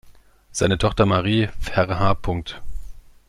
Seine Tochter Marie, verh.